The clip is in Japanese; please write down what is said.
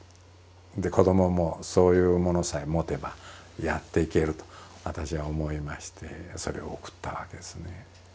で子どももそういうものさえ持てばやっていけると私は思いましてそれを贈ったわけですね。